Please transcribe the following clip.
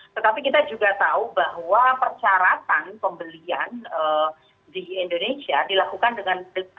tetapi kita juga tahu bahwa persyaratan pembelian di indonesia dilakukan dengan